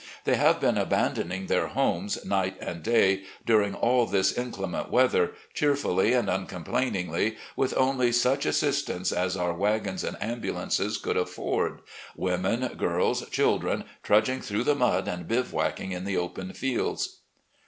They have been abandoning their homes, night and day, during all this inclement weather, cheerfully and uncomplain ingly, with only such assistance as our wagons and ambu lances could afford, women, girls, children, trudging through the mud and bivouacking in the open fields."